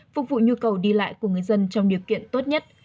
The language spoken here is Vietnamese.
phục vụ nhu cầu đi lại của người dân trong điều kiện tốt nhất